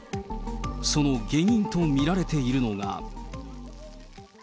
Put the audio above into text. その原因と見られているのが。